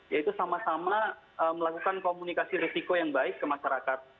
yaitu sama sama melakukan komunikasi risiko yang baik ke masyarakat